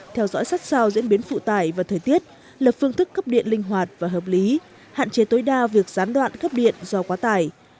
theo dõi sát sao diễn biến phụ tải và thời tiết lập phương thức cấp điện linh hoạt và hợp lý hạn chế tối đa việc gián đoạn cấp điện do quá tải